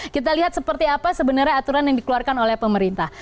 kita lihat seperti apa sebenarnya aturan yang dikeluarkan oleh pemerintah